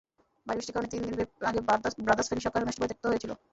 ভারী বৃষ্টির কারণে তিন দিন আগে ব্রাদার্স-ফেনী সকার ম্যাচটি হয়েছিল পরিত্যক্ত।